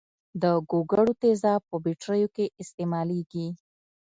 د ګوګړو تیزاب په بټریو کې استعمالیږي.